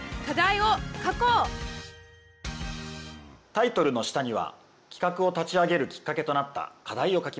タイトルの下には企画を立ち上げるきっかけとなった課題を書きます。